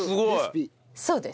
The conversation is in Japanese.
そうです。